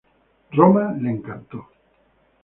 Roma le encantó.